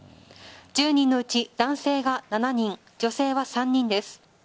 １０人のうち男性が７人、女性は３人です。